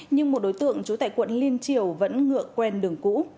nhưng một đối tượng trú tại quận liên triều vẫn ngựa quen đường cũ